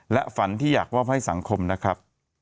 และฝันที่อยากมอบให้สังคมนะครับ